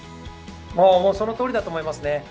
そのとおりだと思いますね。